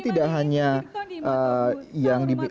tidak hanya yang dipakai